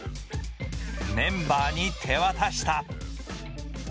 メンバーに手渡した。